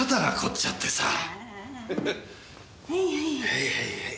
はいはいはい。